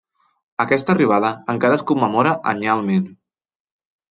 Aquesta arribada encara es commemora anyalment.